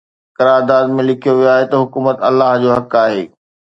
قرارداد ۾ لکيو ويو آهي ته حڪومت الله جو حق آهي.